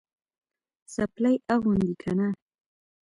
څپلۍ اغوندې که نه؟